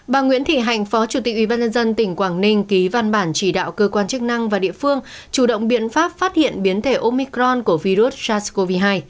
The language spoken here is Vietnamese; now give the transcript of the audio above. bà nguyễn thị hành phó chủ tịch ubnd tỉnh quảng ninh ký văn bản chỉ đạo cơ quan chức năng và địa phương chủ động biện pháp phát hiện biến thể omicron của virus sars cov hai